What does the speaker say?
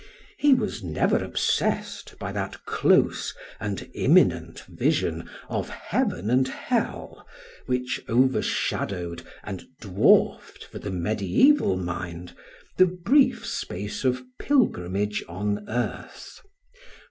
He was never obsessed by that close and imminent vision of heaven and hell which overshadowed and dwarfed, for the mediaeval mind, the brief space of pilgrimage on earth.